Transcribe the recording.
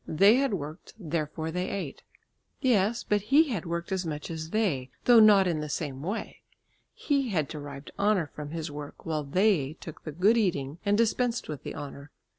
They had worked; therefore they ate. Yes, but he had worked as much as they, though not in the same way. He had derived honour from his work, while they took the good eating and dispensed with the honour.